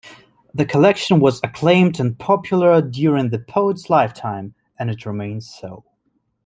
The collection was acclaimed and popular during the poet's lifetime and it remains so.